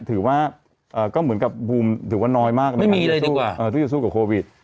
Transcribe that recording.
ถือว่าก็เหมือนกับภูมิถือว่าน้อยมากไม่มีเลยดีกว่าเออที่จะสู้กับโควิด